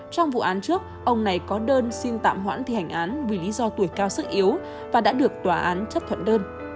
trong vụ án trước ông này có đơn xin tạm hoãn thi hành án vì lý do tuổi cao sức yếu và đã được tòa án chấp thuận đơn